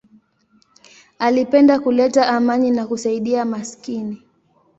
Alipenda kuleta amani na kusaidia maskini.